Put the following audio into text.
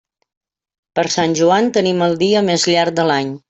Per Sant Joan tenim el dia més llarg de l'any.